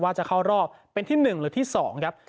จะเข้ารอบเป็นที่๑หรือที่๒ครับ